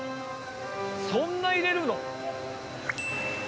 そんな入れるの？